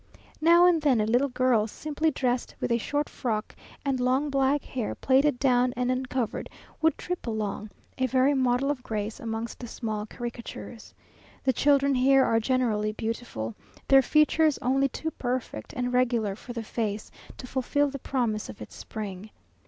Now and then a little girl, simply dressed with a short frock, and long black hair plaited down and uncovered, would trip along, a very model of grace amongst the small caricatures. The children here are generally beautiful, their features only too perfect and regular for the face "to fulfil the promise of its spring."